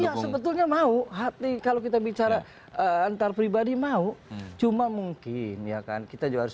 iya sebetulnya mau hati kalau kita bicara antar pribadi mau cuma mungkin ya kan kita juga harus